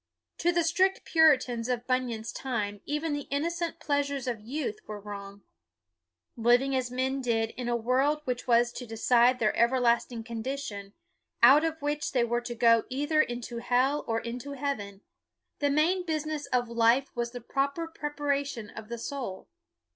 To the strict Puritans of Bunyan's time even the innocent pleasures of youth were wrong. Living as men did in a world which was to decide their everlasting con dition, out of which they were to go either into hell or into heaven, the main BUNYAN 259 business of life was the proper prepara tion of the soul.